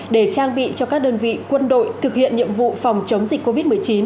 để trang bị cho các đơn vị quân đội thực hiện nhiệm vụ phòng chống dịch covid một mươi chín